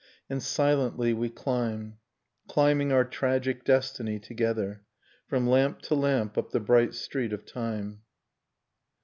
And silently we climb. Climbing our tragic destiny together. From lamp to lamp up the bright street of time.